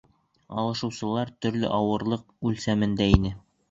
Алышыусылар төрлө ауырлыҡ үлсәмендә ине.